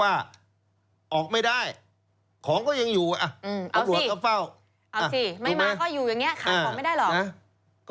เอาสิไม่มาก็อยู่อย่างเนี้ยขาดของไม่ได้หรอก